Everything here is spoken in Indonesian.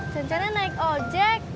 cincinnya naik ojek